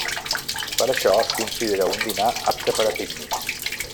Per això, es considera un dinar apte per a pícnics.